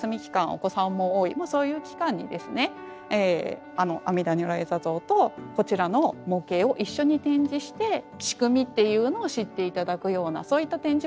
お子さんも多いそういう期間に阿弥陀如来坐像とこちらの模型を一緒に展示して仕組みっていうのを知って頂くようなそういった展示も行っています。